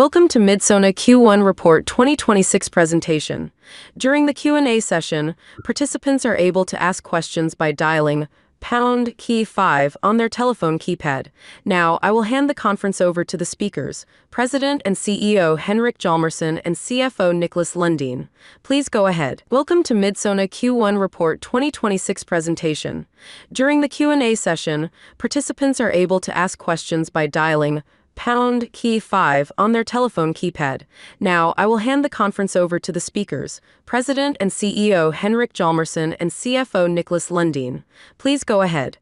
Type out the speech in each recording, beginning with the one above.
Welcome to Midsona Q1 Report 2026 presentation. During the Q&A session, participants are able to ask questions by dialing pound key five on their telephone keypad. Now, I will hand the conference over to the speakers, President and CEO Henrik Hjalmarsson, and CFO Niclas Lundin. Please go ahead.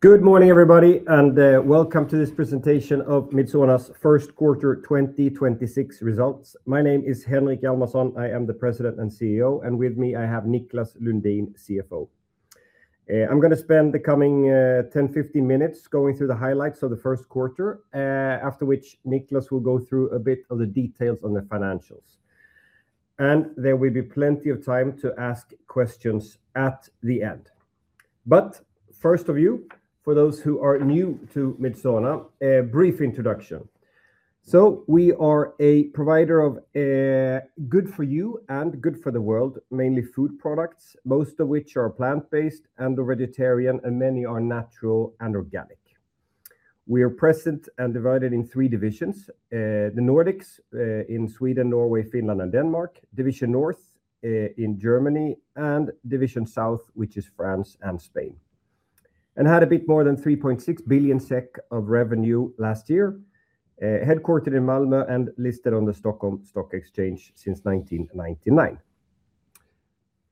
Good morning, everybody, and welcome to this presentation of Midsona's first quarter 2026 results. My name is Henrik Hjalmarsson. I am the President and CEO, and with me I have Niclas Lundin, CFO. I'm going to spend the coming 10, 15 minutes going through the highlights of the first quarter, after which Niclas will go through a bit of the details on the financials. There will be plenty of time to ask questions at the end. First off, you, for those who are new to Midsona, a brief introduction. We are a provider of good for you and good for the world, mainly food products, most of which are plant-based and/or vegetarian, and many are natural and organic. We are present and divided in three divisions: the Nordics in Sweden, Norway, Finland and Denmark, Division North in Germany, and Division South, which is France and Spain. Had a bit more than 3.6 billion SEK of revenue last year, headquartered in Malmö and listed on Nasdaq Stockholm since 1999.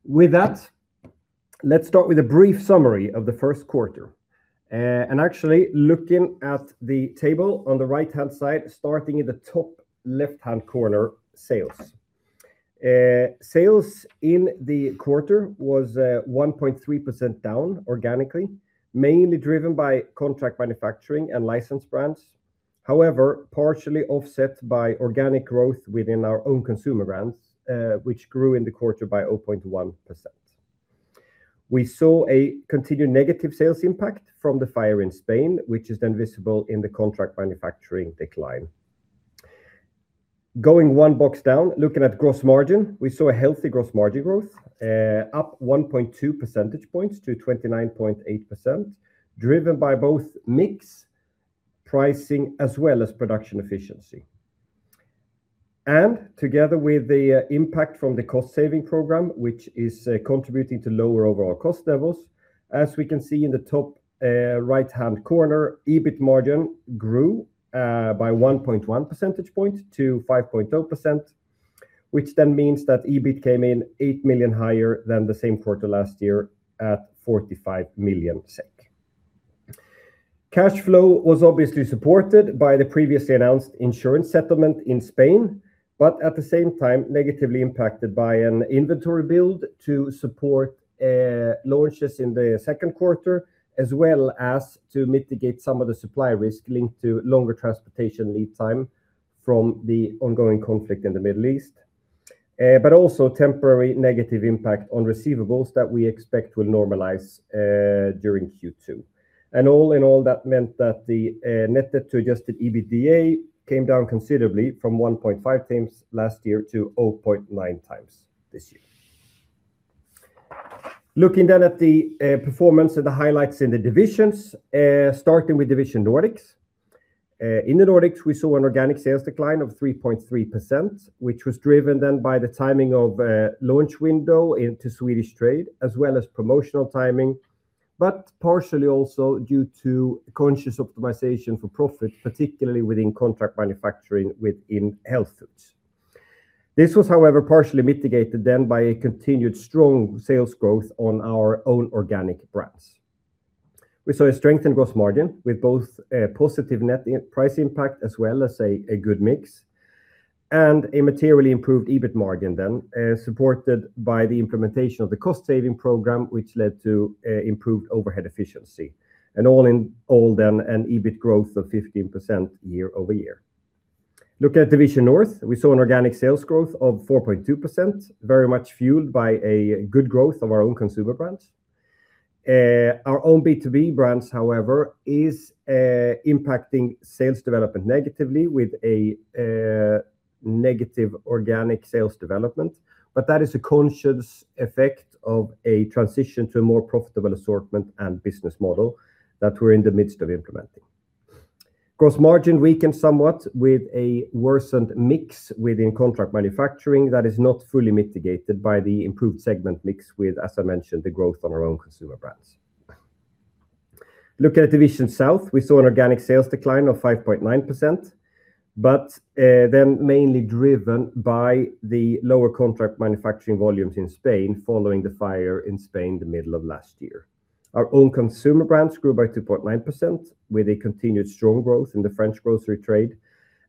With that, let's start with a brief summary of the first quarter. Actually looking at the table on the right-hand side, starting in the top left-hand corner, sales. Sales in the quarter was 1.3% down organically, mainly driven by contract manufacturing and licensed brands, however, partially offset by organic growth within our own consumer brands, which grew in the quarter by 0.1%. We saw a continued negative sales impact from the fire in Spain, which is then visible in the contract manufacturing decline. Going one box down, looking at gross margin, we saw a healthy gross margin growth up 1.2 percentage points to 29.8%, driven by both mix pricing as well as production efficiency. Together with the impact from the cost saving program, which is contributing to lower overall cost levels, as we can see in the top right-hand corner, EBIT margin grew by 1.1 percentage point to 5.0%, which then means that EBIT came in 8 million higher than the same quarter last year at 45 million SEK. Cash flow was obviously supported by the previously announced insurance settlement in Spain, but at the same time negatively impacted by an inventory build to support launches in the second quarter, as well as to mitigate some of the supply risk linked to longer transportation lead time from the ongoing conflict in the Middle East. Also temporary negative impact on receivables that we expect will normalize during Q2. All in all, that meant that the net debt to Adjusted EBITDA came down considerably from 1.5x last year to 0.9x this year. Looking at the performance and the highlights in the divisions, starting with Division Nordics. In the Nordics, we saw an organic sales decline of 3.3%, which was driven then by the timing of a launch window into Swedish trade as well as promotional timing, but partially also due to conscious optimization for profit, particularly within contract manufacturing within health foods. This was, however, partially mitigated then by a continued strong sales growth on our own organic brands. We saw a strength in gross margin with both a positive net price impact as well as a good mix and a materially improved EBIT margin then supported by the implementation of the cost saving program, which led to improved overhead efficiency and all in all then an EBIT growth of 15% year-over-year. Looking at Division North, we saw an organic sales growth of 4.2%, very much fueled by a good growth of our own consumer brands. Our own B2B brands, however, is impacting sales development negatively with a negative organic sales development, but that is a conscious effect of a transition to a more profitable assortment and business model that we're in the midst of implementing. Gross margin weakened somewhat with a worsened mix within contract manufacturing that is not fully mitigated by the improved segment mix with, as I mentioned, the growth on our own consumer brands. Looking at Division South Europe, we saw an organic sales decline of 5.9%, but then mainly driven by the lower contract manufacturing volumes in Spain following the fire in Spain the middle of last year. Our own consumer brands grew by 2.9%, with a continued strong growth in the French grocery trade,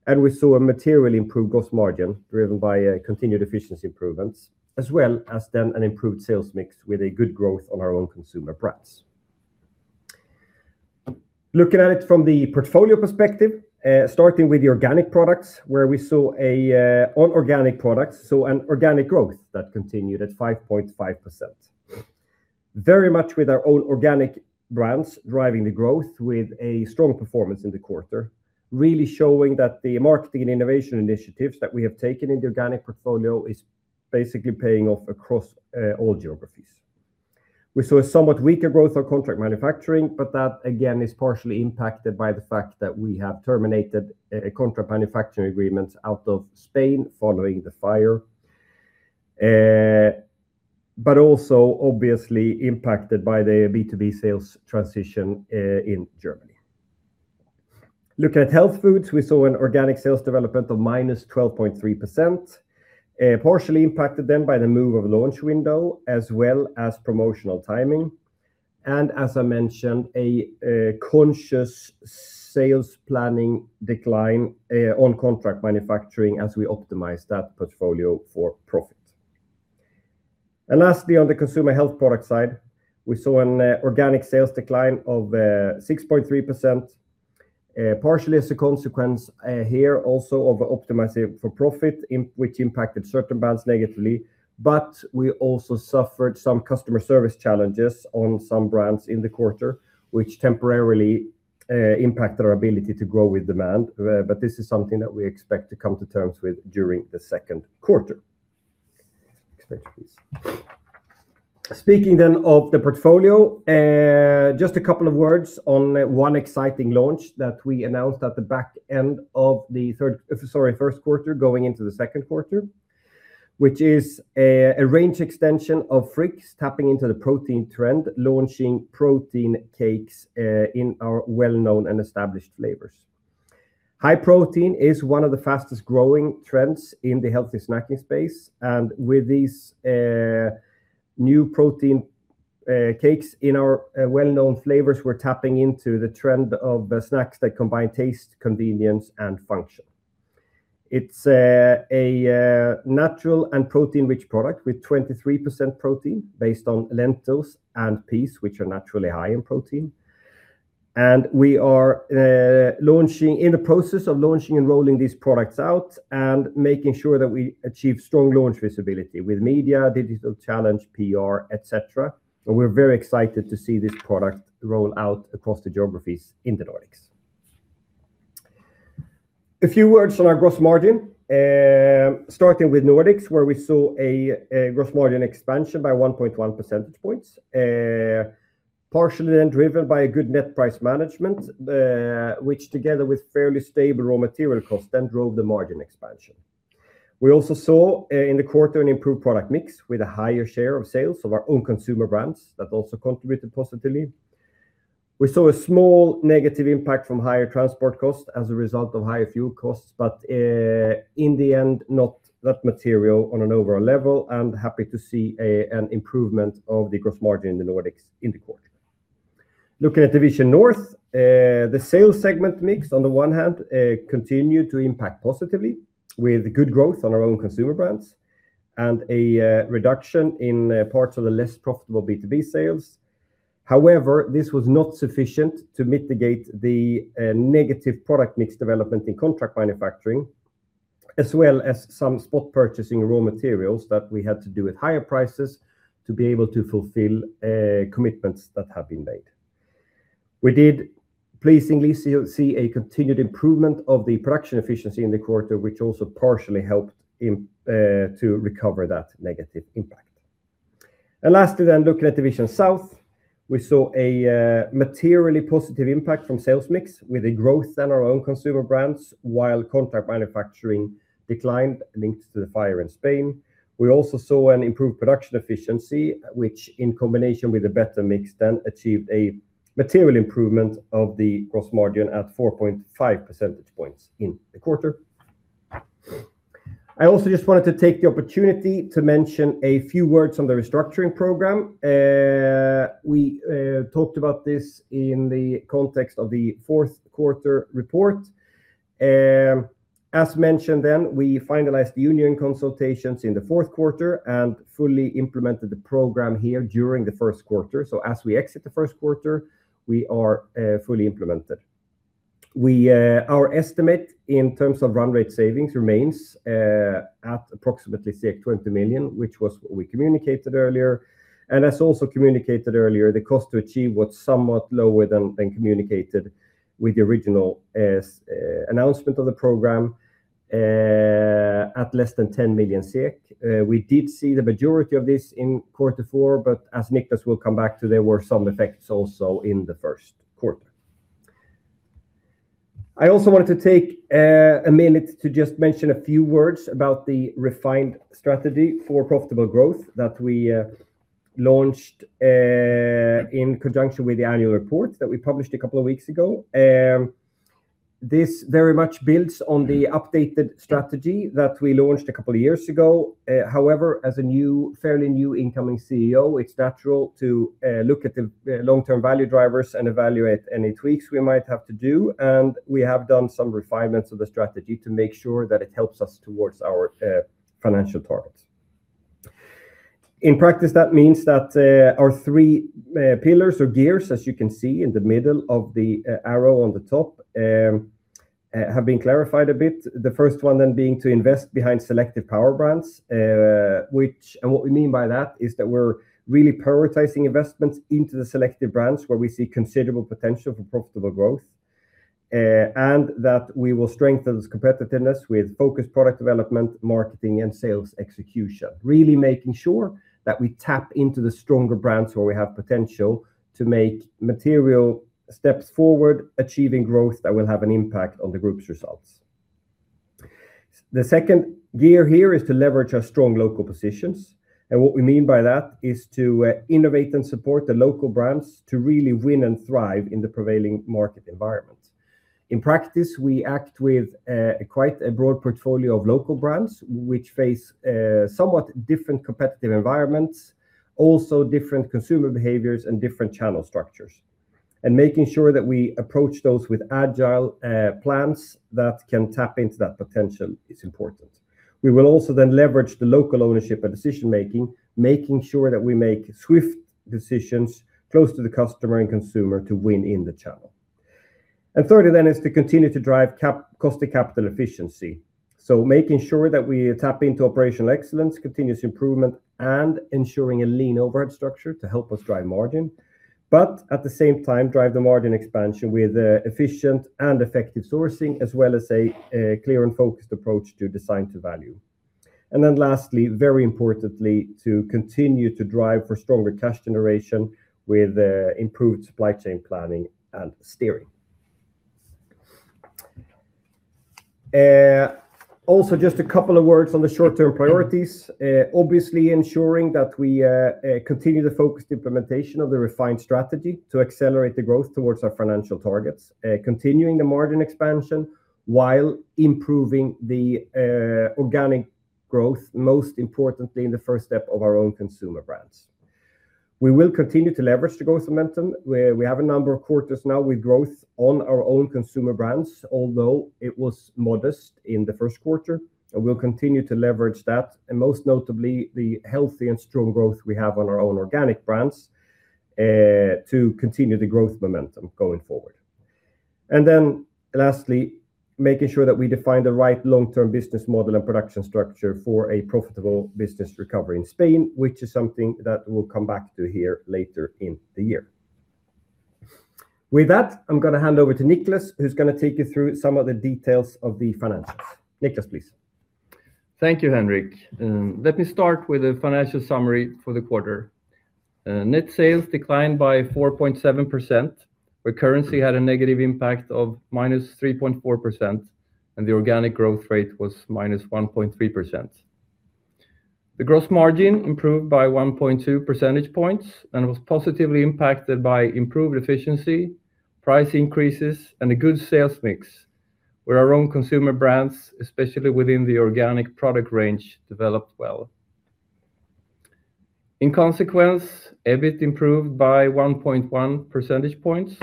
and we saw a materially improved gross margin driven by continued efficiency improvements as well as then an improved sales mix with a good growth on our own consumer brands. Looking at it from the portfolio perspective, starting with the organic products where we saw an organic growth that continued at 5.5%. Very much with our own organic brands driving the growth with a strong performance in the quarter, really showing that the marketing and innovation initiatives that we have taken in the organic portfolio is basically paying off across all geographies. We saw a somewhat weaker growth of contract manufacturing, but that again is partially impacted by the fact that we have terminated a contract manufacturing agreement out of Spain following the fire, but also obviously impacted by the B2B sales transition in Germany. Looking at health foods, we saw an organic sales development of -12.3%, partially impacted then by the move of launch window as well as promotional timing, and as I mentioned, a conscious sales planning decline on contract manufacturing as we optimize that portfolio for profit. Lastly, on the consumer health product side, we saw an organic sales decline of 6.3%, partially as a consequence here also of optimizing for profit, which impacted certain brands negatively, but we also suffered some customer service challenges on some brands in the quarter, which temporarily impacted our ability to grow with demand. This is something that we expect to come to terms with during the second quarter. Next page, please. Speaking of the portfolio, just a couple of words on one exciting launch that we announced at the back end of the first quarter going into the second quarter, which is a range extension of Friggs tapping into the protein trend, launching protein cakes in our well-known and established flavors. High protein is one of the fastest-growing trends in the healthy snacking space. With these new protein cakes in our well-known flavors, we're tapping into the trend of snacks that combine taste, convenience, and function. It's a natural and protein-rich product with 23% protein based on lentils and peas, which are naturally high in protein. We are in the process of launching and rolling these products out and making sure that we achieve strong launch visibility with media, digital channels, PR, et cetera. We're very excited to see this product roll out across the geographies in the Nordics. A few words on our gross margin, starting with Nordics, where we saw a gross margin expansion by 1.1 percentage points, partially then driven by a good net price management, which together with fairly stable raw material cost then drove the margin expansion. We also saw in the quarter an improved product mix with a higher share of sales of our own consumer brands that also contributed positively. We saw a small negative impact from higher transport costs as a result of higher fuel costs, but in the end, not that material on an overall level, and happy to see an improvement of the gross margin in the Nordics in the quarter. Looking at Division North Europe, the sales segment mix on the one hand continued to impact positively with good growth on our own consumer brands and a reduction in parts of the less profitable B2B sales. However, this was not sufficient to mitigate the negative product mix development in contract manufacturing, as well as some spot purchasing raw materials that we had to do at higher prices to be able to fulfill commitments that have been made. We did pleasingly see a continued improvement of the production efficiency in the quarter, which also partially helped to recover that negative impact. Lastly then, looking at Division South, we saw a materially positive impact from sales mix with a growth in our own consumer brands while contract manufacturing declined linked to the fire in Spain. We also saw an improved production efficiency, which in combination with a better mix then achieved a material improvement of the gross margin at 4.5 percentage points in the quarter. I also just wanted to take the opportunity to mention a few words on the restructuring program. We talked about this in the context of the fourth quarter report. As mentioned then, we finalized the union consultations in the fourth quarter and fully implemented the program here during the first quarter. As we exit the first quarter, we are fully implemented. Our estimate in terms of run rate savings remains at approximately 20 million, which was what we communicated earlier. As also communicated earlier, the cost to achieve was somewhat lower than communicated with the original announcement of the program at less than 10 million SEK. We did see the majority of this in quarter four, but as Niclas will come back to, there were some effects also in the first quarter. I also wanted to take a minute to just mention a few words about the refined strategy for profitable growth that we launched in conjunction with the annual report that we published a couple of weeks ago. This very much builds on the updated strategy that we launched a couple of years ago. However, as a fairly new incoming CEO, it's natural to look at the long-term value drivers and evaluate any tweaks we might have to do. We have done some refinements of the strategy to make sure that it helps us towards our financial targets. In practice, that means that our three pillars or gears, as you can see in the middle of the arrow on the top have been clarified a bit. The first one then being to invest behind selective power brands. What we mean by that is that we're really prioritizing investments into the selective brands where we see considerable potential for profitable growth, and that we will strengthen competitiveness with focused product development, marketing, and sales execution. Really making sure that we tap into the stronger brands where we have potential to make material steps forward, achieving growth that will have an impact on the group's results. The second gear here is to leverage our strong local positions. What we mean by that is to innovate and support the local brands to really win and thrive in the prevailing market environment. In practice, we act with quite a broad portfolio of local brands, which face somewhat different competitive environments, also different consumer behaviors and different channel structures. Making sure that we approach those with agile plans that can tap into that potential is important. We will also then leverage the local ownership and decision-making, making sure that we make swift decisions close to the customer and consumer to win in the channel. Thirdly then is to continue to drive cost of capital efficiency. Making sure that we tap into operational excellence, continuous improvement, and ensuring a lean overhead structure to help us drive margin. At the same time, drive the margin expansion with efficient and effective sourcing, as well as a clear and focused approach to design to value. Lastly, very importantly, to continue to drive for stronger cash generation with improved supply chain planning and steering. Also, just a couple of words on the short-term priorities. Obviously ensuring that we continue the focused implementation of the refined strategy to accelerate the growth towards our financial targets. Continuing the margin expansion while improving the organic growth, most importantly in the first step of our own consumer brands. We will continue to leverage the growth momentum, where we have a number of quarters now with growth on our own consumer brands, although it was modest in the first quarter. We'll continue to leverage that and most notably, the healthy and strong growth we have on our own organic brands to continue the growth momentum going forward. Lastly, making sure that we define the right long-term business model and production structure for a profitable business recovery in Spain, which is something that we'll come back to here later in the year. With that, I'm going to hand over to Niclas, who's going to take you through some of the details of the financials. Niclas, please. Thank you, Henrik. Let me start with a financial summary for the quarter. Net sales declined by 4.7%, where currency had a negative impact of minus 3.4% and the organic growth rate was minus 1.3%. The gross margin improved by 1.2 percentage points and was positively impacted by improved efficiency, price increases, and a good sales mix, where our own consumer brands, especially within the organic product range, developed well. In consequence, EBIT improved by 1.1 percentage points,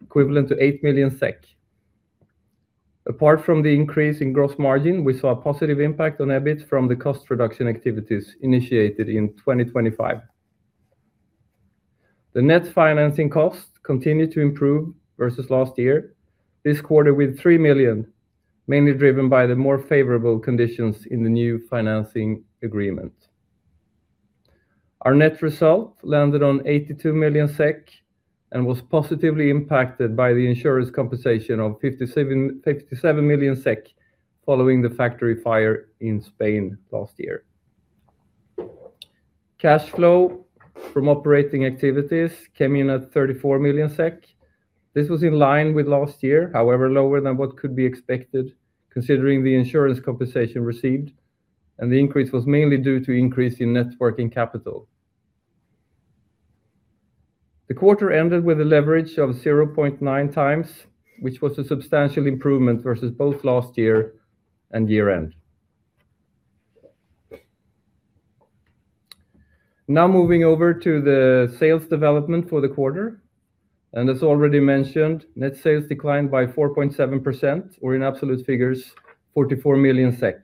equivalent to 8 million SEK. Apart from the increase in gross margin, we saw a positive impact on EBIT from the cost reduction activities initiated in 2025. The net financing cost continued to improve versus last year, this quarter with 3 million, mainly driven by the more favorable conditions in the new financing agreement. Our net result landed on 82 million SEK and was positively impacted by the insurance compensation of 57 million SEK following the factory fire in Spain last year. Cash flow from operating activities came in at 34 million SEK. This was in line with last year, however, lower than what could be expected considering the insurance compensation received, and the increase was mainly due to increase in net working capital. The quarter ended with a leverage of 0.9x, which was a substantial improvement versus both last year and year-end. Now moving over to the sales development for the quarter, and as already mentioned, net sales declined by 4.7%, or in absolute figures, 44 million SEK,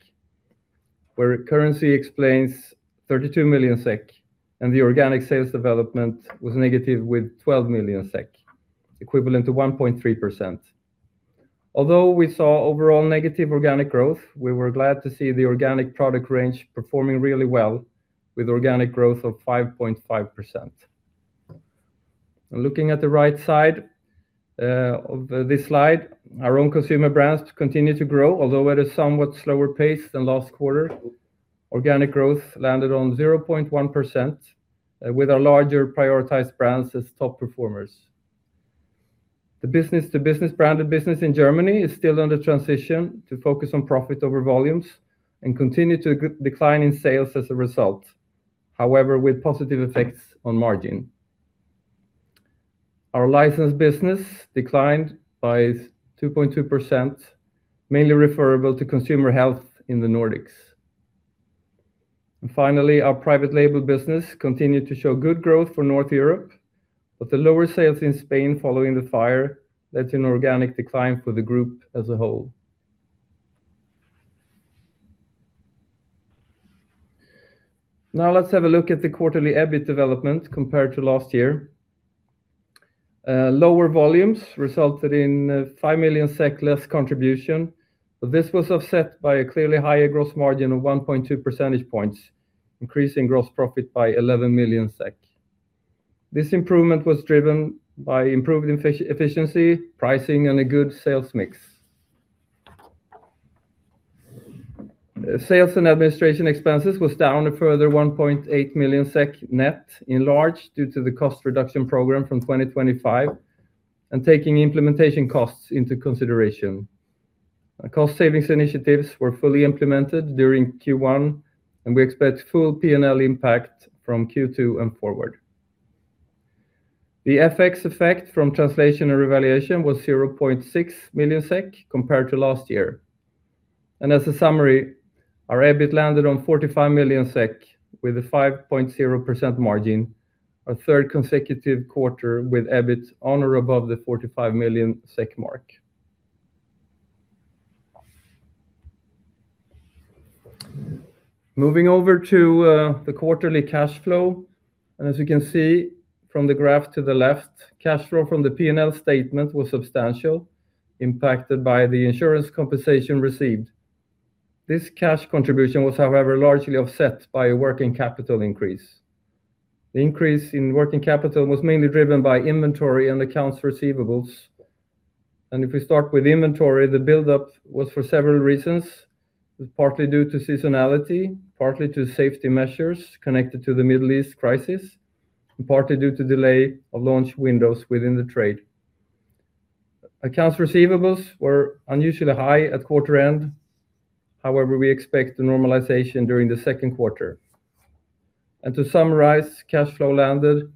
where currency explains 32 million SEK and the organic sales development was negative with 12 million SEK, equivalent to 1.3%. Although we saw overall negative organic growth, we were glad to see the organic product range performing really well with organic growth of 5.5%. Looking at the right side of this slide, our own consumer brands continue to grow, although at a somewhat slower pace than last quarter. Organic growth landed on 0.1% with our larger prioritized brands as top performers. The business-to-business branded business in Germany is still under transition to focus on profit over volumes and continue to decline in sales as a result. However, with positive effects on margin. Our license business declined by 2.2%, mainly referable to consumer health in the Nordics. Finally, our private label business continued to show good growth for North Europe, but the lower sales in Spain following the fire led to an organic decline for the group as a whole. Now let's have a look at the quarterly EBIT development compared to last year. Lower volumes resulted in 5 million SEK less contribution, but this was offset by a clearly higher gross margin of 1.2 percentage points, increasing gross profit by 11 million SEK. This improvement was driven by improved efficiency, pricing, and a good sales mix. Sales and administration expenses was down a further 1.8 million SEK net, in large part due to the cost reduction program from 2025 and taking implementation costs into consideration. Our cost savings initiatives were fully implemented during Q1, and we expect full P&L impact from Q2 and forward. The FX effect from translation and revaluation was 0.6 million SEK compared to last year. As a summary, our EBIT landed on 45 million SEK with a 5.0% margin, our third consecutive quarter with EBIT on or above the 45 million SEK mark. Moving over to the quarterly cash flow, and as you can see from the graph to the left, cash flow from the P&L statement was substantial, impacted by the insurance compensation received. This cash contribution was, however, largely offset by a working capital increase. The increase in working capital was mainly driven by inventory and accounts receivables. If we start with inventory, the buildup was for several reasons. It was partly due to seasonality, partly to safety measures connected to the Middle East crisis, and partly due to delay of launch windows within the trade. Accounts receivables were unusually high at quarter end. However, we expect the normalization during the second quarter. To summarize, cash flow landed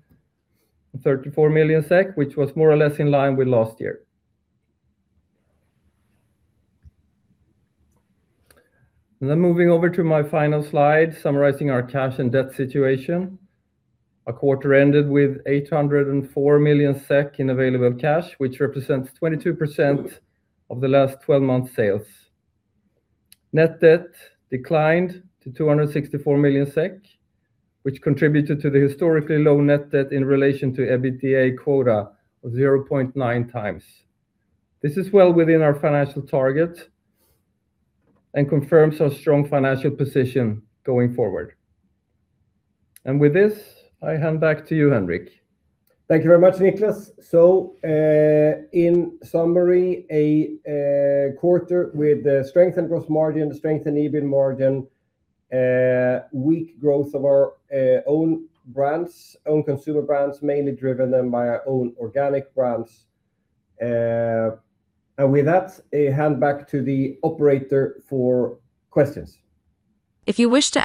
at 34 million SEK, which was more or less in line with last year. Moving over to my final slide, summarizing our cash and debt situation. Our quarter ended with 804 million SEK in available cash, which represents 22% of the last 12 months' sales. Net debt declined to 264 million SEK, which contributed to the historically low net debt in relation to EBITDA ratio of 0.9 times. This is well within our financial target and confirms our strong financial position going forward. With this, I hand back to you, Henrik. Thank you very much, Niclas. In summary, a quarter with strength in gross margin, strength in EBIT margin, weak growth of our own consumer brands, mainly driven then by our own organic brands. With that, I hand back to the operator for questions. The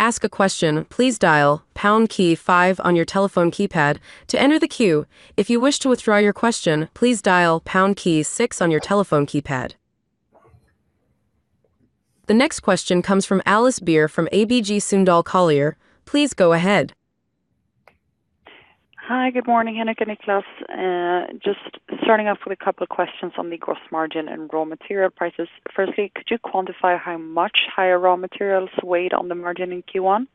next question comes from Alice Beer from ABG Sundal Collier. Please go ahead. Hi, good morning, Henrik and Niclas. Just starting off with a couple of questions on the gross margin and raw material prices. Firstly, could you quantify how much higher raw materials weighed on the margin in Q1?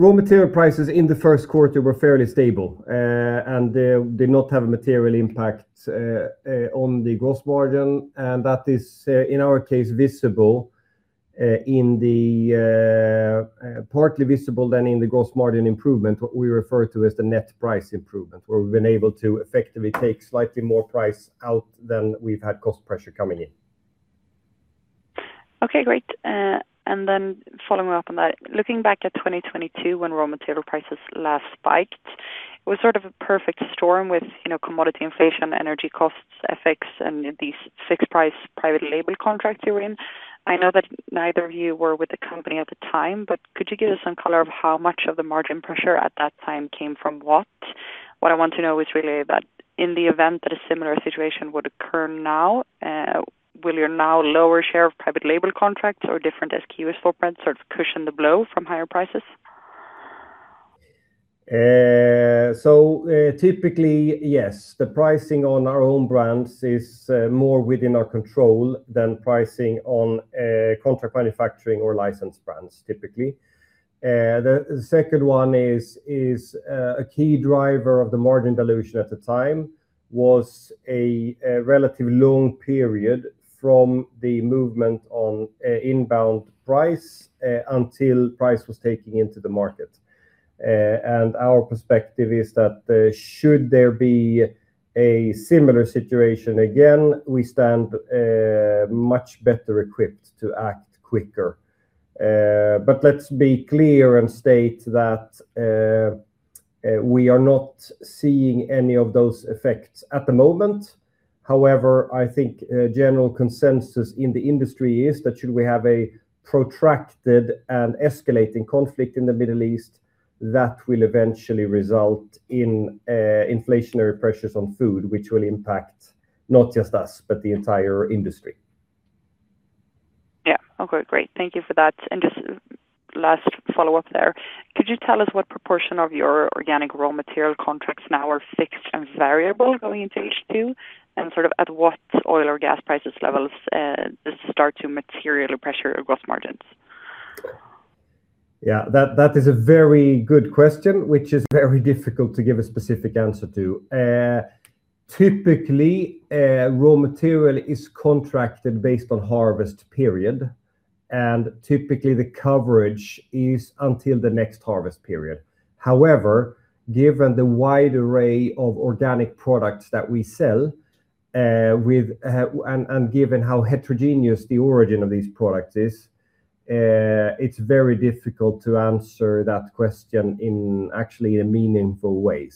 Raw material prices in the first quarter were fairly stable and did not have a material impact on the gross margin. That is partly visible then in the gross margin improvement, what we refer to as the net price improvement, where we've been able to effectively take slightly more price out than we've had cost pressure coming in. Okay, great. Following up on that, looking back at 2022, when raw material prices last spiked, it was sort of a perfect storm with commodity inflation, energy costs, FX, and these fixed price private label contracts you were in. I know that neither of you were with the company at the time, but could you give us some color on how much of the margin pressure at that time came from what? What I want to know is really that in the event that a similar situation would occur now, will your now lower share of private label contracts or different SKUs footprints sort of cushion the blow from higher prices? Typically, yes. The pricing on our own brands is more within our control than pricing on contract manufacturing or licensed brands typically. The second one is a key driver of the margin dilution at the time, was a relatively long period from the movement on inbound price until price was taken into the market. Our perspective is that should there be a similar situation again, we stand much better equipped to act quicker. Let's be clear and state that we are not seeing any of those effects at the moment. I think general consensus in the industry is that should we have a protracted and escalating conflict in the Middle East, that will eventually result in inflationary pressures on food, which will impact not just us, but the entire industry. Yeah. Okay, great. Thank you for that. Last follow-up there. Could you tell us what proportion of your organic raw material contracts now are fixed and variable going into H2? Sort of at what oil or gas price levels this start to materially pressure gross margins? Yeah, that is a very good question, which is very difficult to give a specific answer to. Typically, raw material is contracted based on harvest period, and typically the coverage is until the next harvest period. However, given the wide array of organic products that we sell, and given how heterogeneous the origin of these products is, it's very difficult to answer that question in actually a meaningful way.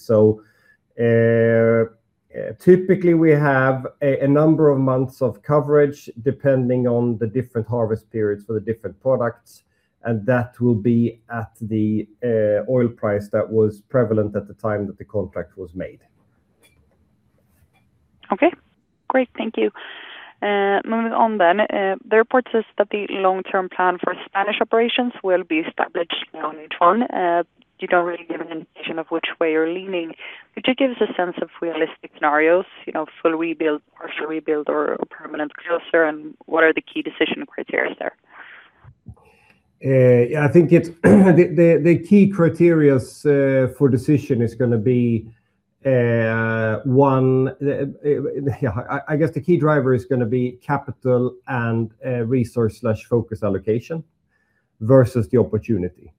Typically we have a number of months of coverage depending on the different harvest periods for the different products, and that will be at the oil price that was prevalent at the time that the contract was made. Okay. Great. Thank you. Moving on. The report says that the long-term plan for Spanish operations will be established now in H1. You don't really give an indication of which way you're leaning. Could you give us a sense of realistic scenarios? Will we build or shall we build or permanent closure, and what are the key decision criteria there? Yeah, I think the key criteria for decision is going to be. I guess the key driver is going to be capital and resource/focus allocation versus the opportunity.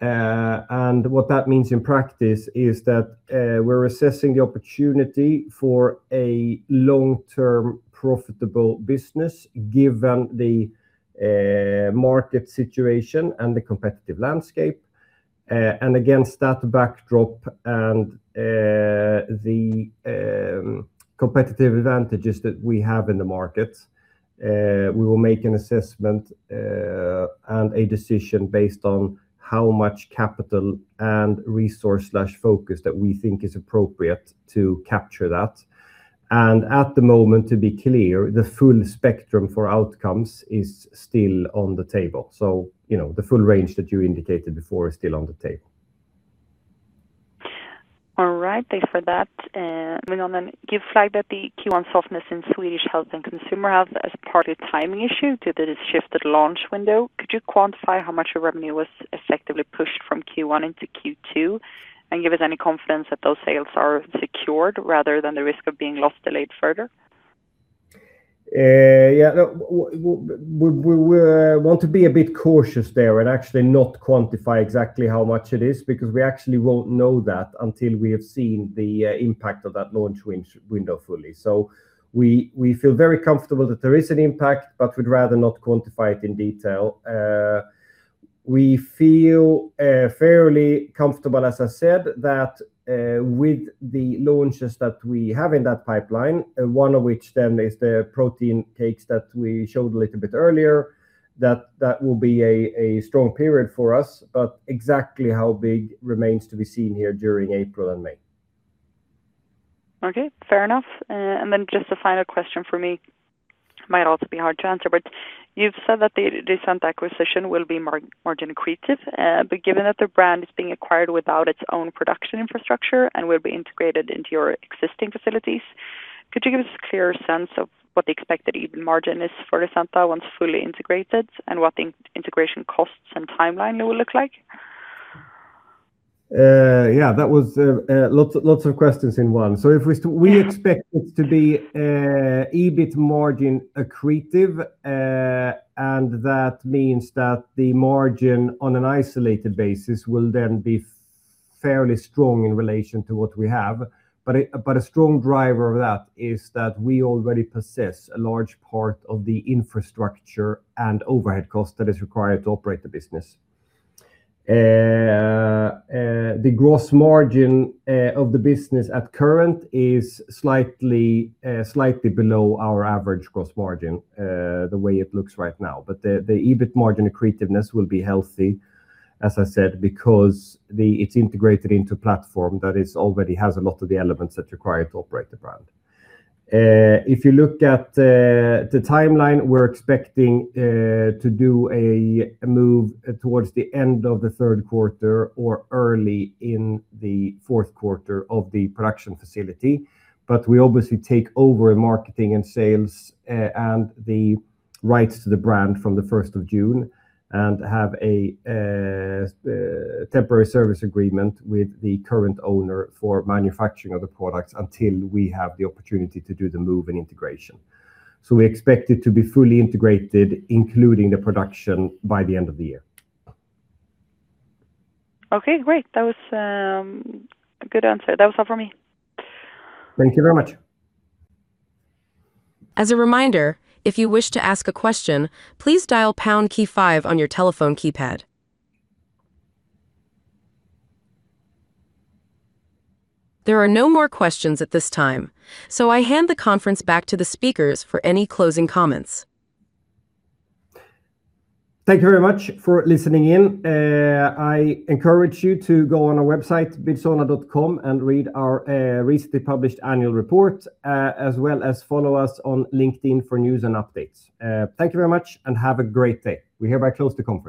What that means in practice is that we're assessing the opportunity for a long-term profitable business, given the market situation and the competitive landscape. Against that backdrop and the competitive advantages that we have in the market, we will make an assessment and a decision based on how much capital and resource/focus that we think is appropriate to capture that. At the moment, to be clear, the full spectrum for outcomes is still on the table. The full range that you indicated before is still on the table. All right. Thanks for that. Moving on then. You flagged that the Q1 softness in Swedish health and consumer health as part of a timing issue due to this shifted launch window. Could you quantify how much revenue was effectively pushed from Q1 into Q2, and give us any confidence that those sales are secured rather than the risk of being lost delayed further? Yeah. No, we want to be a bit cautious there and actually not quantify exactly how much it is, because we actually won't know that until we have seen the impact of that launch window fully. We feel very comfortable that there is an impact, but we'd rather not quantify it in detail. We feel fairly comfortable, as I said, that with the launches that we have in that pipeline, one of which then is the protein cakes that we showed a little bit earlier, that that will be a strong period for us. Exactly how big remains to be seen here during April and May. Okay, fair enough. just a final question for me, might also be hard to answer, but you've said that the recent acquisition will be margin accretive. given that the brand is being acquired without its own production infrastructure and will be integrated into your existing facilities, could you give us a clearer sense of what the expected EBIT margin is for Risenta once fully integrated, and what the integration costs and timeline will look like? Yeah, that was lots of questions in one. Yeah. We expect it to be EBIT margin accretive, and that means that the margin on an isolated basis will then be fairly strong in relation to what we have. A strong driver of that is that we already possess a large part of the infrastructure and overhead cost that is required to operate the business. The gross margin of the business at current is slightly below our average gross margin, the way it looks right now. The EBIT margin accretiveness will be healthy, as I said, because it's integrated into platform that already has a lot of the elements that's required to operate the brand. If you look at the timeline, we're expecting to do a move towards the end of the third quarter or early in the fourth quarter of the production facility. We obviously take over marketing and sales, and the rights to the brand from the 1st of June, and have a temporary service agreement with the current owner for manufacturing of the products until we have the opportunity to do the move and integration. We expect it to be fully integrated, including the production, by the end of the year. Okay, great. That was a good answer. That was all from me. Thank you very much. As a reminder, if you wish to ask a question, please dial pound key five on your telephone keypad. There are no more questions at this time, so I hand the conference back to the speakers for any closing comments. Thank you very much for listening in. I encourage you to go on our website, midsona.com, and read our recently published annual report, as well as follow us on LinkedIn for news and updates. Thank you very much and have a great day. We hereby close the conference.